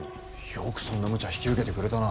よくそんなむちゃ引き受けてくれたな。